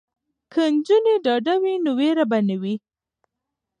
که نجونې ډاډه وي نو ویره به نه وي.